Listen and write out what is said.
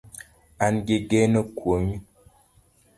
An gi geno kuomi